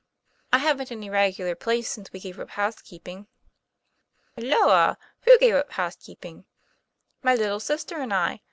'I haven't any regular place since we gave up housekeeping." ' Halloa! who gave up housekeeping ?"" My little sister and I.